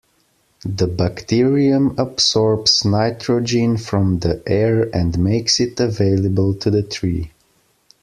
The bacterium absorbs nitrogen from the air and makes it available to the tree.